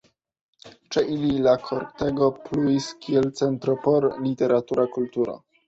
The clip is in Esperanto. Ĉe ili la kortego pluis kiel centro por literatura kulturo.